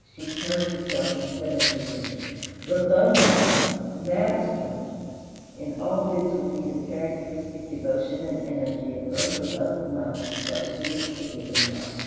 She turned herself and said unto him, Rabboni, Master!" In all this we see the characteristic devotion and energy of her who loved much because she was forgiven much.